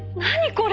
これ。